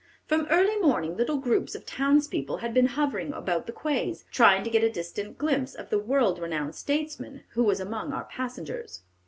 From early morning little groups of townspeople had been hovering about the quays, trying to get a distant glimpse of the world renowned statesman who was among our passengers."